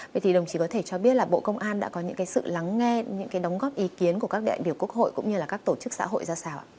vậy thì đồng chí có thể cho biết là bộ công an đã có những cái sự lắng nghe những cái đóng góp ý kiến của các đại biểu quốc hội cũng như là các tổ chức xã hội ra sao ạ